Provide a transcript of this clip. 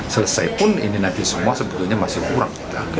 selesaipun ini nanti semua sebetulnya masih kurang